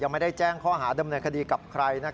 ไม่ได้แจ้งข้อหาดำเนินคดีกับใคร